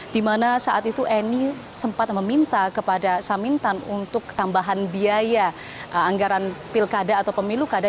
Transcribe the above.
di mana saat itu eni sempat meminta kepada samintan untuk tambahan biaya anggaran pilkada atau pemilu kadar